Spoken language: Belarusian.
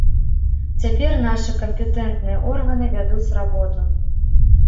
Цяпер нашы кампетэнтныя органы вядуць работу.